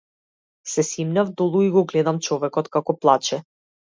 Се симнав долу и го гледам човекот како плаче.